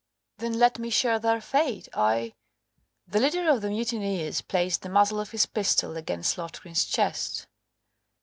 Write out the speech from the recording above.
"Then let me share their fate, I " The leader of the mutineers placed the muzzle of his pistol against Loftgreen's chest.